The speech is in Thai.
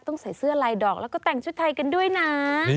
ใส่เสื้อลายดอกแล้วก็แต่งชุดไทยกันด้วยนะ